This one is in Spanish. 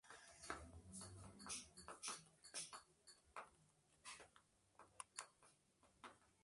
Fue nombrado Novgorod en honor a la ciudad rusa Veliki Nóvgorod.